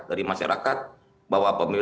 dari masyarakat bahwa